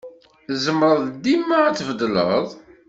Tzemreḍ dima ad tbeddeleḍ.